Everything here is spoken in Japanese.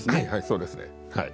そうですねはい。